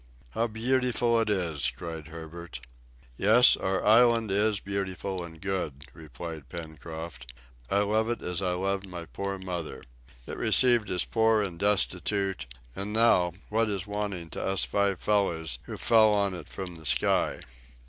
"How beautiful it is!" cried Herbert. "Yes, our island is beautiful and good," replied Pencroft. "I love it as I loved my poor mother. It received us poor and destitute, and now what is wanting to us five fellows who fell on it from the sky?"